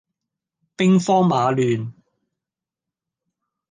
兵荒馬亂